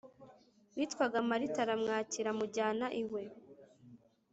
witwaga Marita aramwakira amujyana iwe